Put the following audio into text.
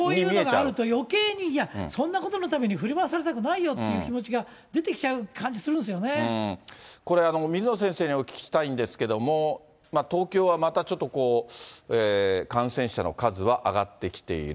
あるとよけいに、いや、そんなことのために振り回されたくないよって気持ちが出てきちゃこれ、水野先生にお聞きしたいんですけれども、東京はまたちょっと感染者の数は上がってきている。